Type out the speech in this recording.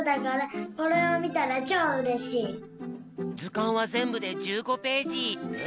ずかんはぜんぶで１５ページ。